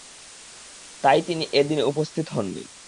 তাই তিনি এ দিনে উপস্থিত হননি।